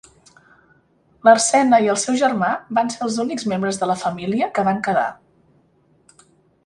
Larcena i el seu germà van ser els únics membres de la família que van quedar.